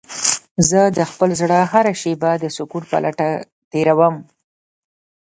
زه د خپل زړه هره شېبه د سکون په لټه تېرووم.